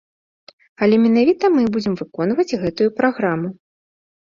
Але менавіта мы будзем выконваць гэтую праграму.